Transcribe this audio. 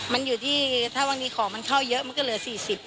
มันอยู่ที่ถ้าวันนี้ของมันเข้าเยอะมันก็เหลือ๔๐บาท